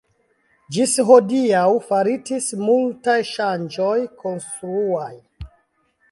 Ĝis hodiaŭ faritis multaj ŝanĝoj konstruaj.